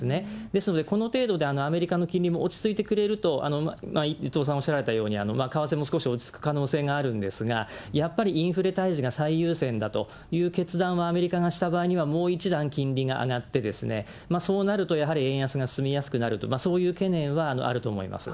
ですので、この程度でアメリカの金利も落ち着いてくれると、伊藤さんおっしゃられたように、為替も少し落ち着く可能性があるんですが、やっぱりインフレたいじが最優先だという決断をアメリカがした場合には、もう一段金利が上がってそうなるとやはり円安が進みやすくなると、そういう懸念はあると思います。